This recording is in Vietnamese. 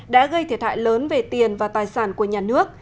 đã gây thiệt hại lớn về tiền và tài sản của nhà nước